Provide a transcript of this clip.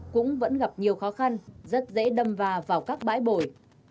cũng vẫn gặp nhiều khó khăn rất dễ đâm vào các bãi bồi